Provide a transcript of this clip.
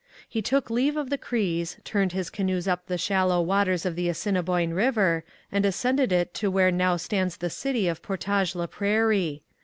He took leave of the Crees, turned his canoes up the shallow waters of the Assiniboine river, and ascended it to where now stands the city of Portage la Prairie.